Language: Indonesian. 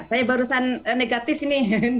saya barusan negatif nih